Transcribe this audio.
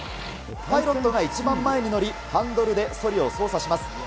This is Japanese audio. パイロットが一番前に乗り、ハンドルでそりを操作します。